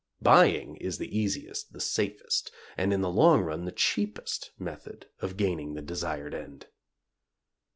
Buying is the easiest, the safest, and in the long run the cheapest method of gaining the desired end.